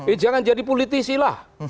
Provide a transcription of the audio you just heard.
eh jangan jadi politisi lah